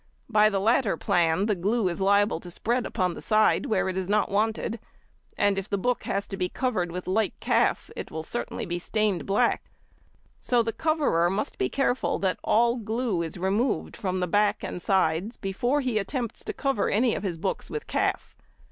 By the latter plan the glue is liable to spread upon the side, where it is not wanted, and if the book has to be covered with light calf, it will certainly be stained black: |89| so the coverer must be careful that all glue is removed from the back and sides before he attempts to cover any of his books with calf.